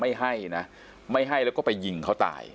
ไม่ให้นะไม่ให้แล้วก็ไปยิงเขาตาย